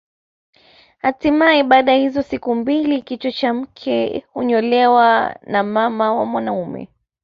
Hatimae baada ya hizo siku mbili kichwa cha mke hunyolewa na mama wa mwanaume